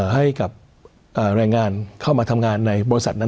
ให้กับแรงงานเข้ามาทำงานในบริษัทนั้น